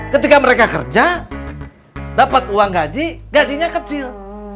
ketika mereka kerja dapat uang gaji gajinya kecil